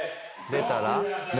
出たら？